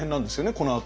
このあと。